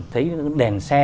thấy đèn xe